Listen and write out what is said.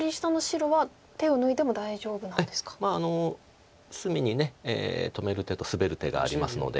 まあ隅に止める手とスベる手がありますので。